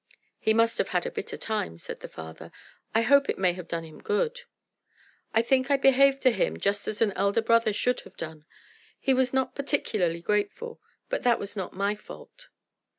"He must have had a bitter time," said the father. "I hope it may have done him good." "I think I behaved to him just as an elder brother should have done. He was not particularly grateful, but that was not my fault."